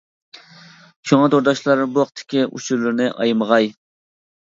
شۇڭا تورداشلار بۇ ھەقتىكى ئۇچۇرلىرىنى ئايىمىغاي.